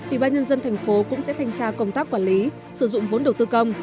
ủy ban nhân dân thành phố cũng sẽ thanh tra công tác quản lý sử dụng vốn đầu tư công